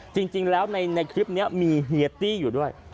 จริงแล้วในคลิปนี้มีเฮียตี้อยู่ด้วย